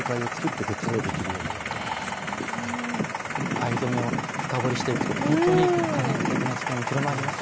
藍染めを深堀りしていくとほんとに科学的な知見も広まりますね。